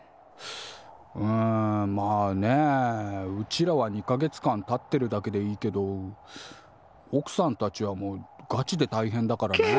うんまあねうちらは２か月間立ってるだけでいいけどおくさんたちはもうガチでたいへんだからね。